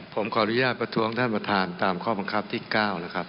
ผมขออนุญาตประท้วงท่านประธานตามข้อบังคับที่๙นะครับ